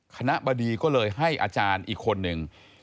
บดีก็เลยให้อาจารย์อีกคนนึง